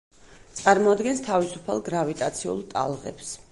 წარმოადგენს თავისუფალ გრავიტაციულ ტალღებს.